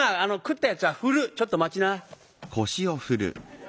ちょっと待ちな」。